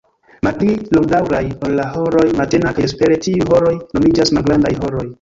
Malpli longdaŭraj ol la "horoj" matena kaj vespere, tiuj "horoj" nomiĝas malgrandaj "horoj".